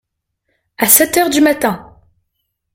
À sept heures du matin !